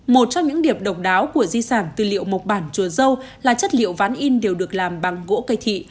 một trong những điểm độc đáo của di sản tư liệu mộc bản chùa dâu là chất liệu ván in đều được làm bằng gỗ cây thị